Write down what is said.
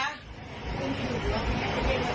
มีคนอยู่ไหมคะ